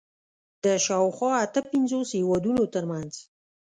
د شاوخوا اته پنځوس هېوادونو تر منځ